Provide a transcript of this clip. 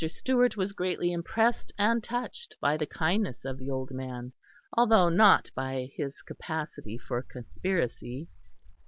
Stewart was greatly impressed and touched by the kindness of the old man, although not by his capacity for conspiracy.